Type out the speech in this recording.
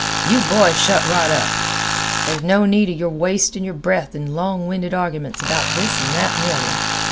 "You boys shut right up! There no need 'a your wastin' your breath in long winded arguments about this an' that an' th' other.